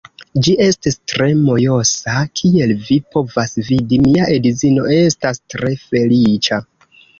Ĝi estis tre mojosa kiel vi povas vidi, mia edzino estas tre feliĉa